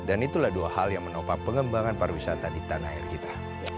dan itulah dua hal yang menopang pengembangan pariwisata di tanah air kita